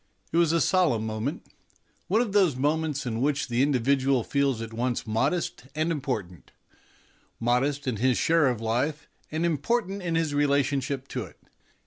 It was a solemn moment one of those moments in which the individual feels at once modest and important modest in his share of life, and important in his rela tionship to it.